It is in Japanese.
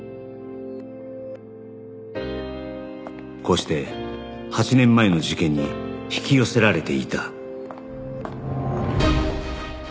こうして８年前の事件に引き寄せられていた